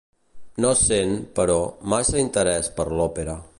No sent, però, massa interès per l'òpera.